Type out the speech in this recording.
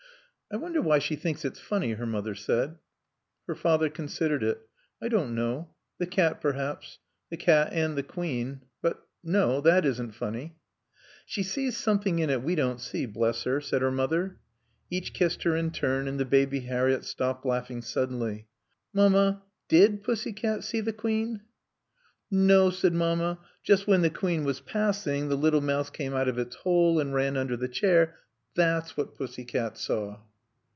"I wonder why she thinks it's funny," her mother said. Her father considered it. "I don't know. The cat perhaps. The cat and the Queen. But no; that isn't funny." "She sees something in it we don't see, bless her," said her mother. Each kissed her in turn, and the Baby Harriett stopped laughing suddenly. "Mamma, did Pussycat see the Queen?" "No," said Mamma. "Just when the Queen was passing the little mouse came out of its hole and ran under the chair. That's what Pussycat saw."